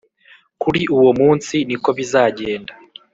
Kuri uwo munsi ni ko bizagenda